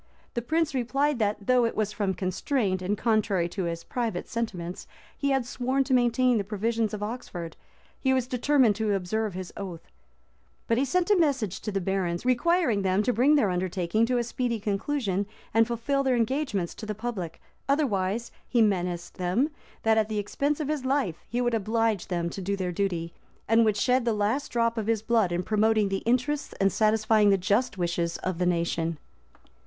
[] The prince replied that, though it was from constraint, and contrary to his private sentiments, he had sworn to maintain the provisions of Oxford, he was determined to observe his oath: but he sent a message to the barons, requiring them to bring their undertaking to a speedy conclusion, and fulfil their engagements to the public: otherwise, he menaced them, that at the expense of his life, he would oblige them to do their duty, and would shed the last drop of his blood in promoting the interests and satisfying the just wishes of the nation.